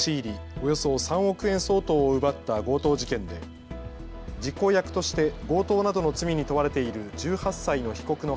およそ３億円相当を奪った強盗事件で実行役として強盗などの罪に問われている１８歳の被告の